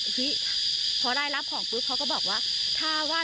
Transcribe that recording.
ทีนี้พอเช้ามา